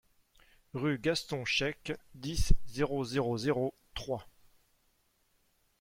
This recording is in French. Rue Gaston Checq, dix, zéro zéro zéro Troyes